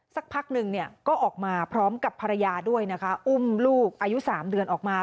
สักพักหนึ่งก็ออกมาพร้อมกับภรรยาด้วยนะคะอุ้มลูกอายุ๓เดือนออกมา